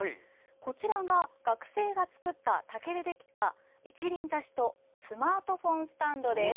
こちらが学生が作った竹でできた一輪挿しとスマートフォンスタンドです。